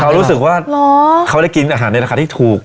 เขารู้สึกว่าเขาได้กินอาหารในราคาที่ถูก